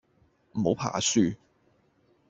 唔好怕輸